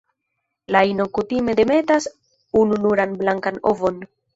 La ino kutime demetas ununuran blankan ovon.